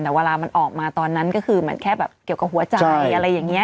แต่เวลามันออกมาตอนนั้นก็คือเหมือนแค่แบบเกี่ยวกับหัวใจอะไรอย่างนี้